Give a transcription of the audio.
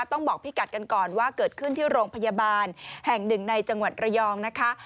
ต้องบอกพี่กัดกันก่อนว่าเกิดขึ้นที่โรงพยาบาลแห่งหนึ่งในจังหวัดระยองนะคะ